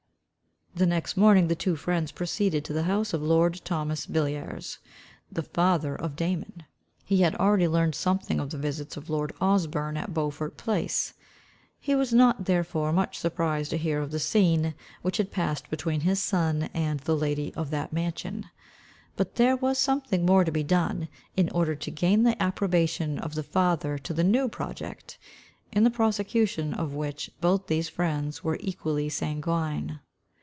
The next morning the two friends proceeded to the house of lord Thomas Villiers, the father of Damon. He had already learned something of the visits of lord Osborne at Beaufort Place. He was not therefore much surprised to hear of the scene, which had passed between his son and the lady of that mansion. But there was something more to be done, in order to gain the approbation of the father to the new project, in the prosecution of which both these friends were equally sanguine.